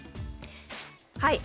はい。